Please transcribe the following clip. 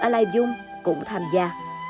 ở lai dung cũng tham gia